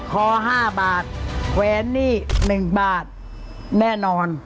คอ๕บาทแหวนนี่๑บาทแน่นอน